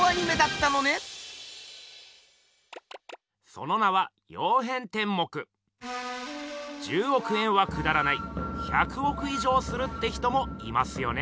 その名は１０億円はくだらない１００億以上するって人もいますよね。